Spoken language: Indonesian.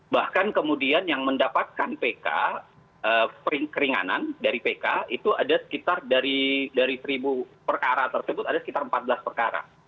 bahkan kemudian yang mendapatkan pk keringanan dari pk itu ada sekitar dari seribu perkara tersebut ada sekitar empat belas perkara